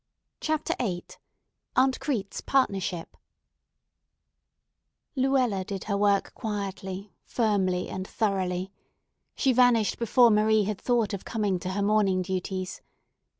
CHAPTER VIII AUNT CRETE'S PARTNERSHIP LUELLA did her work quietly, firmly, and thoroughly. She vanished before Marie had thought of coming to her morning duties.